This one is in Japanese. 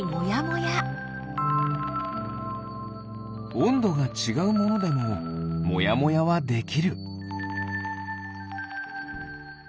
おんどがちがうものでももやもやはできる。